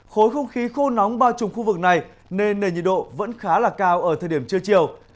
khối không khí khô nóng bao trùm khu vực này nên nền nhiệt độ vẫn khá là cao ở thời điểm trưa chiều